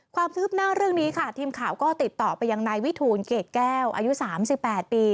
ความคืบหน้าเรื่องนี้ค่ะทีมข่าวก็ติดต่อไปยังนายวิทูลเกรดแก้วอายุ๓๘ปี